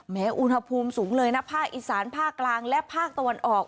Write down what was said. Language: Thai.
อุณหภูมิสูงเลยนะภาคอีสานภาคกลางและภาคตะวันออก